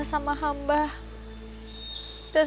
satu yang lu ijein